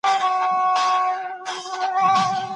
دا ښيګڼه ما نه ده کړې.